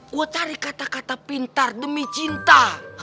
gue tarik kata kata pintar demi cinta